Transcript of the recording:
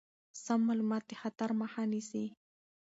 سم معلومات د خطر مخه نیسي.